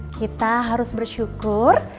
kita harus bersyukur